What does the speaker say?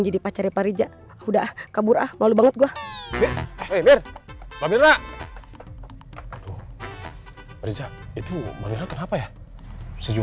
jadi pacarnya pak rija udah kabur ah malu banget gua mir pak rija itu pak rija kenapa ya saya juga